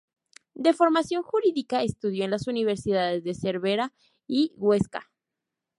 De formación jurídica, estudió en las universidades de Cervera y de Huesca.